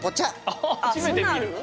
あそんなんある？